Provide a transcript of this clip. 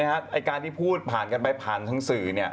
ไอ้การที่พูดผ่านกันไปผ่านทางสื่อ